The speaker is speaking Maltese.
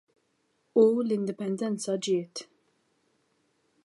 U l-Indipendenza ġiet.